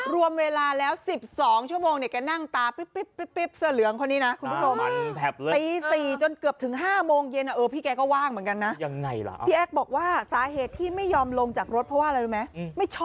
รวมเวลาแล้ว๑๒ชั่วโมงแกนั่งตาเสลืองคนนี้นะคุณผู้ชม